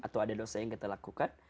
atau ada dosa yang kita lakukan